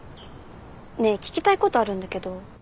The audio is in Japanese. ねえ聞きたいことあるんだけど。